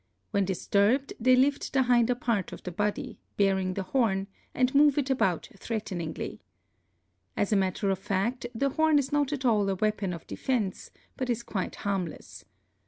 When disturbed they lift the hinder part of the body, bearing the horn, and move it about threateningly. As a matter of fact, the horn is not at all a weapon of de fense, but is quite harmless.